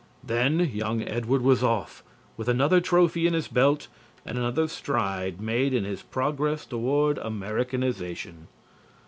Then young Edward was off, with another trophy in his belt and another stride made in his progress toward Americanization.